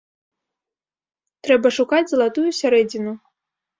Трэба шукаць залатую сярэдзіну.